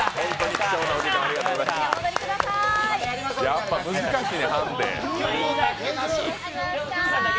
やっぱ難しいね、ハンデ。